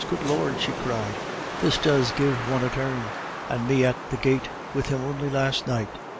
"Good Lord!" she cried, "this does give one a turn; and me at the Gaite with him only last night!"